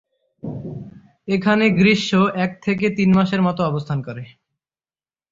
এখানে গ্রীষ্ম এক থেকে তিন মাসের মত অবস্থান করে।